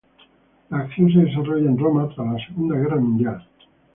La acción se desarrolla en Roma, tras la Segunda Guerra Mundial.